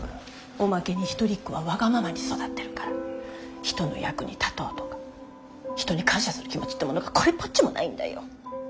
おまけに一人っ子はわがままに育ってるから人の役に立とうとか人に感謝する気持ちってものがこれっぽっちもないんだよ。